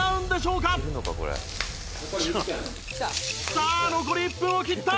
さあ残り１分を切った！